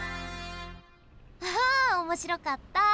あおもしろかった！